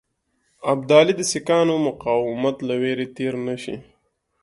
ابدالي د سیکهانو مقاومت له وېرې تېر نه شي.